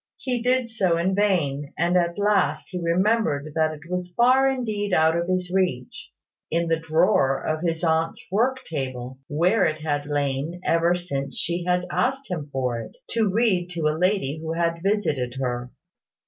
He did so in vain; and at last he remembered that it was far indeed out of his reach, in the drawer of his aunt's work table, where it had lain ever since she had asked him for it, to read to a lady who had visited her.